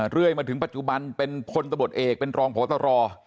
เรื่อยมาถึงปัจจุบันเป็นพลตำรวจเอกเป็นรองพบตร